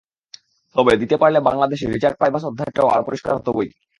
তবে দিতে পারলে বাংলাদেশে রিচার্ড পাইবাস অধ্যায়টা আরও পরিষ্কার হতো বৈকি।